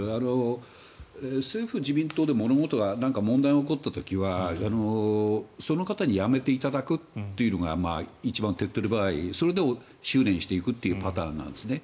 政府・自民党で何か問題が起こった時にはその方に辞めていただくというのが一番手っ取り早いそれで収れんしていくというパターンなんですね。